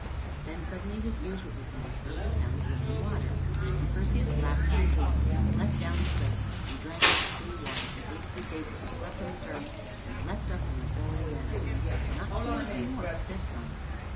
Then suddenly his ears were opened and he heard the sound of running water. And Perseus laughed for joy, and leapt down the cliff and drank of the cool water, and ate of the dates, and slept on the turf, and leapt up and went forward again, but not toward the north this time.